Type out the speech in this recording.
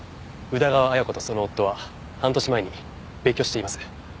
宇田川綾子とその夫は半年前に別居しています。